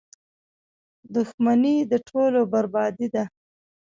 • دښمني د ټولنې بربادي ده.